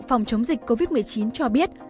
phòng chống dịch covid một mươi chín cho biết